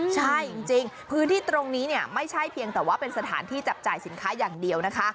ใช่จริงพื้นที่ตรงนี้เนี่ยไม่ใช่เพียงแต่ว่าเป็นสถานที่จับจ่ายสินค้าอย่างเดียวนะคะ